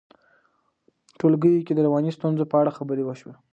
ټولګیو کې د رواني ستونزو په اړه خبرې وشي.